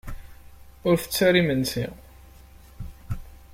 Ur ttett ara imensi.